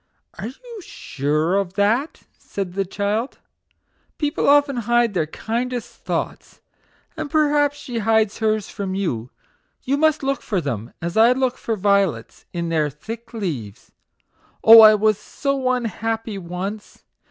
"Are you sure of that?" said the child, 16 MAGIC WORDS. earnestly. "People often hide their kindest thoughts and perhaps she hides hers from you; you must look for them, as I look for violets, in their thick leaves. Oh, I was so unhappy once